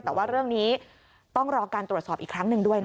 แต่ว่าเรื่องนี้ต้องรอการตรวจสอบอีกครั้งหนึ่งด้วยนะคะ